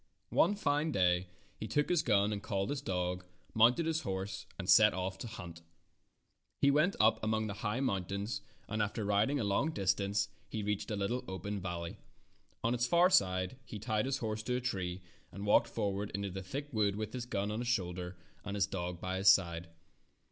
One fine day he took his gun and called his dog, mounted his horse, and set off to hunt. He went up among the high moun tains, and after riding a long distance, he reached a little open valley. On its far side he tied his horse to a tree, and walked for ward into the thick woods with his gun on his shoulder, and his dog by his side.